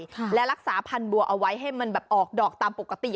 และรักษาพันธบัวเอาไว้ให้มันแบบออกดอกตามปกติ